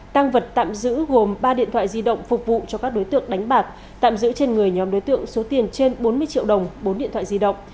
tăng vật tạm giữ gồm ba điện thoại di động phục vụ cho các đối tượng đánh bạc tạm giữ trên người nhóm đối tượng số tiền trên bốn mươi triệu đồng bốn điện thoại di động